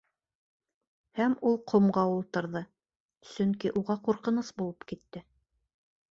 Һәм ул ҡомға ултырҙы, сөнки уға ҡурҡыныс булып китте.